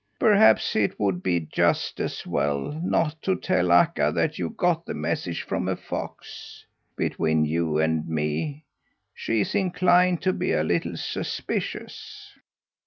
Perhaps it would be just as well not to tell Akka that you got the message from a fox. Between you and me, she's inclined to be a little suspicious."